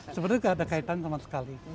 sebenarnya tidak ada kaitan sama sekali